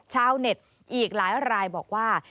ชาวเน็ตอีกหลายรายบอกว่า